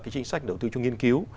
chính sách đầu tư cho nghiên cứu